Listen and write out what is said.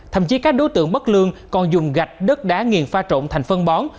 thậm chí các đối tượng bất lương còn dùng gạch đất đá nghiền pha trộn thành phân bón